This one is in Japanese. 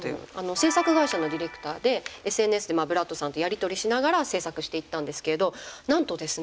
制作会社のディレクターでＳＮＳでブラッドさんとやり取りしながら制作していったんですけれどなんとですね